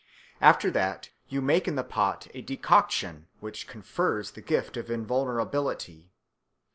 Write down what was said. After that you make in the pot a decoction which confers the gift of invulnerability.